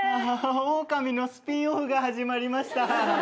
オオカミのスピンオフが始まりました。